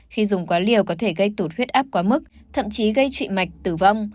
khi dùng quá liều có thể gây tụt huyết áp quá mức thậm chí gây trụy mạch tử vong